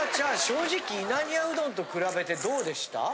正直稲庭うどんと比べてどうでした？